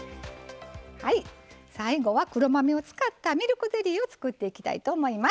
最後は黒豆を使ったミルクゼリーを作っていきたいと思います。